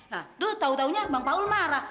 nah tuh tahu taunya bang paul marah